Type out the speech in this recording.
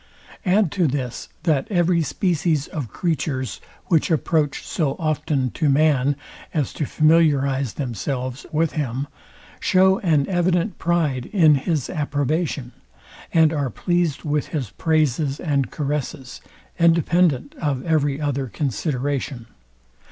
Add to this, that every species of creatures, which approach so often to man, as to familiarize themselves with him, show an evident pride in his approbation, and are pleased with his praises and caresses, independent of every other consideration.